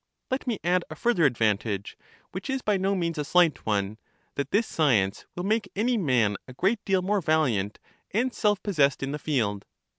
Let me add a further advantage, which is by no means a slight one, — that this science will make any man a great deal more valiant and self possessed in the field.